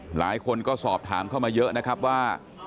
หลายคนก็สอบถามเข้ามาเยอะนะครับว่า